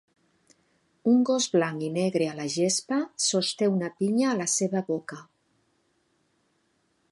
Un gos blanc i negre a la gespa sosté una pinya a la seva boca.